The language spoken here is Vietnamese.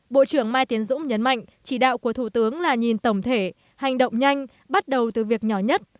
bộ trưởng mai tiến dũng nhấn mạnh chỉ đạo của thủ tướng là nhìn tổng thể hành động nhanh bắt đầu từ việc nhỏ nhất